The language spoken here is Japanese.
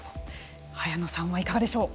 早野さんはいかがでしょう。